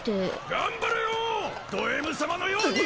・頑張れよド Ｍ 様のように！